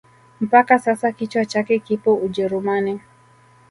Mpaka sasa kichwa chake kipo ujerumani